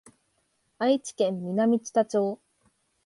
愛知県南知多町